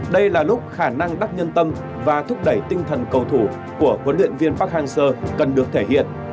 đây là lúc khả năng đắc nhân tâm và thúc đẩy tinh thần cầu thủ của huấn luyện viên park hang seo cần được thể hiện